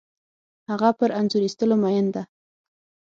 هغه پر انځور اخیستلو مین ده